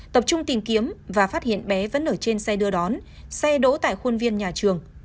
tập trung tìm kiếm và phát hiện bé vẫn ở trên xe đưa đón xe đỗ tại khuôn viên nhà trường